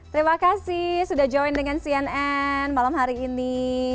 terima kasih sudah join dengan cnn malam hari ini